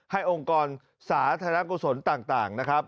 องค์กรสาธารณกุศลต่างนะครับ